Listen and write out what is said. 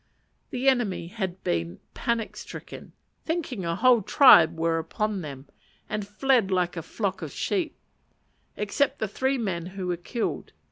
The enemy had been panic stricken, thinking a whole tribe were upon them, and fled like a flock of sheep: except the three men who were killed.